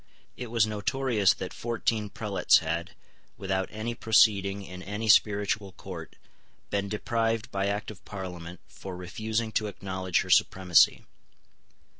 It was notorious that fourteen prelates had, without any proceeding in any spiritual court, been deprived by Act of Parliament for refusing to acknowledge her supremacy.